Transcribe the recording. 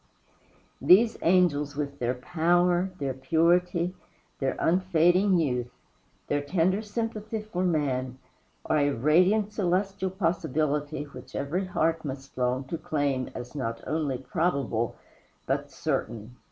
These angels, with their power, their purity, their unfading youth, their tender sympathy for man, are a radiant celestial possibility which every heart must long to claim as not only probable but certain.